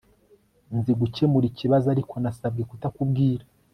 Nzi gukemura ikibazo ariko nasabwe kutakubwira